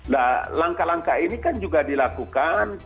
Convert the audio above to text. nah langkah langkah ini kan juga dilakukan